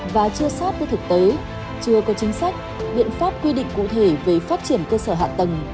và chưa sát với thực tế chưa có chính sách biện pháp quy định cụ thể về phát triển cơ sở hạ tầng